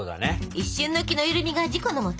一瞬の気の緩みが事故のもと。